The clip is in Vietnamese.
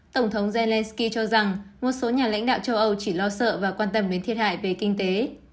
tổng thống zelensky cho rằng một số nhà lãnh đạo châu âu chỉ lo sợ và quan tâm đến thiệt hại về kinh tế